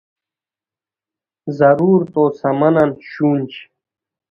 ضرورتو سامانن شونج